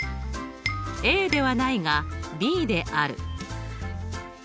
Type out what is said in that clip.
ＡではないがＢである。